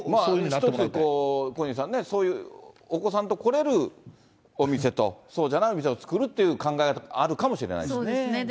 一つ、小西さんね、お子さんと来れるお店と、そうじゃないお店を作るっていう考え、そうですね。